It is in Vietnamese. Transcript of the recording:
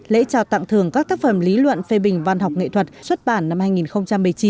lễ trao tặng thường các tác phẩm lý luận phê bình văn học nghệ thuật xuất bản năm hai nghìn một mươi chín